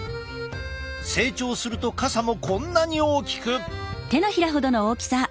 成長すると傘もこんなに大きく。